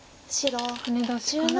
ハネ出しから。